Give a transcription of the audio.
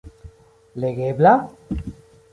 Legebla?